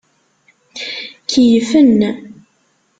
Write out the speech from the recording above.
Keyyfen.